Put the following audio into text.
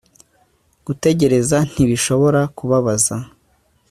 gutegereza ntibishobora kubabaza